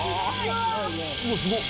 うわっすごい！